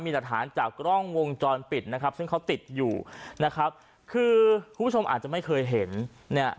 มีหลักฐานจากกล้องวงจรปิดนะครับซึ่งเขาติดอยู่นะครับคือคุณผู้ชมอาจจะไม่เคยเห็นเนี่ย